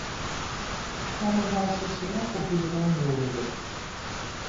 Hano hashi shina kuhwima mbunge.